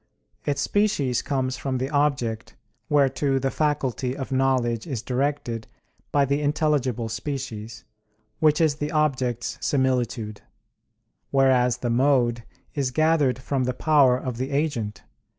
Its species comes from the object, whereto the faculty of knowledge is directed by the (intelligible) species, which is the object's similitude; whereas the mode is gathered from the power of the agent.